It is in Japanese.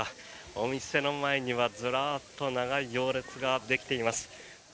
お店の前には、ずらっと長い行列ができています。